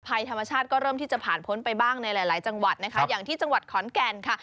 ภัยธรรมชาติก็เริ่มที่จะผ่านพ้นไปบ้างในหลายจังหวัดนะคะอย่างที่จังหวัดขอนแก่นค่ะ